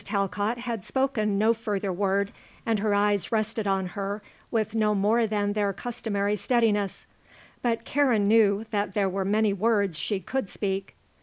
Talcott had spoken no further word and her eyes rested on her with no more than their customary steadiness; but Karen knew that there were many words she could speak.